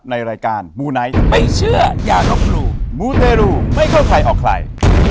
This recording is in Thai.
ในรายการมูไนท์ไม่เชื่ออย่าลบหลู่มูเตรูไม่เข้าใครออกใคร